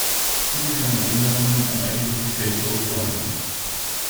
Diese können Änderungen am eigentlichen Quellcode vornehmen.